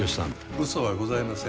うそはございません。